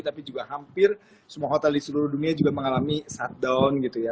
tapi juga hampir semua hotel di seluruh dunia juga mengalami shutdown gitu ya